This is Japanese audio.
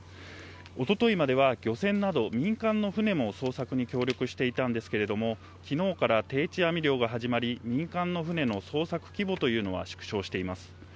おとといまでは漁船など民間の船も捜索に協力していたんですけれども、きのうから定置網漁が始まり、民間の船が捜索規模というのは縮小しています。